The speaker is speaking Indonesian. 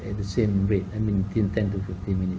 anda bisa bekerja sepuluh hingga lima belas menit